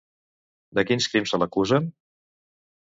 De quins crims se l'acusen?